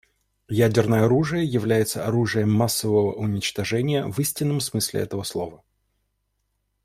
Ядерное оружие является оружием массового уничтожения в истинном смысле этого слова.